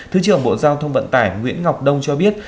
thứ trưởng bộ giao thông vận tải nguyễn ngọc đông cho biết